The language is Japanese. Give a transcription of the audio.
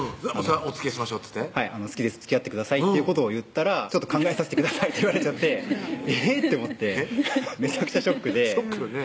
「おつきあいしましょう」っつってはい「好きですつきあってください」ということを言ったら「ちょっと考えさせてください」と言われちゃってえぇって思ってめちゃくちゃショックでショックよね